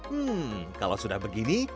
hmm kalau sudah begini